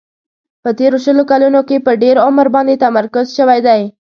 په تیرو شلو کلونو کې په ډېر عمر باندې تمرکز شوی دی.